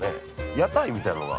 屋台みたいなのが。